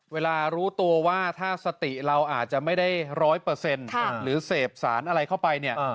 เวลารู้ตัวว่าถ้าสติเราอาจจะไม่ได้ร้อยเปอร์เซ็นต์หรือเสพสารอะไรเข้าไปเนี่ย